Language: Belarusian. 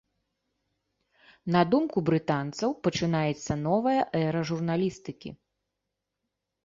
На думку брытанцаў, пачынаецца новая эра журналістыкі.